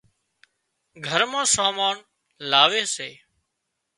گھر مان سامان لاوي سي